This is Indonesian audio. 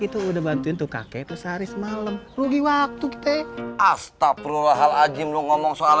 itu udah bantu untuk kakek pesari semalam rugi waktu kita astagfirullahaladzim lu ngomong soal